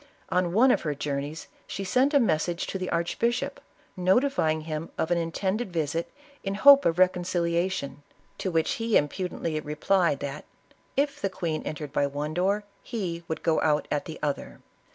On one of her journeys, she sent a message to the archbishop, notifying him of an intended visit in hope of reconciliation, to which lie impudently replied, that " if the queen entered by one door he would go out at the other."